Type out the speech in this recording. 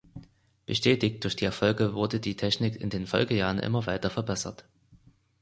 Bestätigt durch die Erfolge wurde die Technik in den Folgejahren immer weiter verbessert.